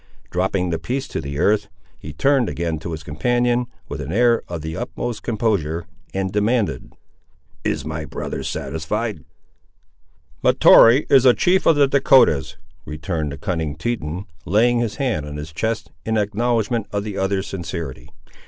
Dropping the piece to the earth, he turned again to his companion with an air of the utmost composure, and demanded— "Is my brother satisfied?" "Mahtoree is a chief of the Dahcotahs," returned the cunning Teton, laying his hand on his chest, in acknowledgment of the other's sincerity.